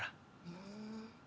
ふん。